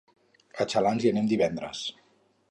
A Xalans hi anem divendres.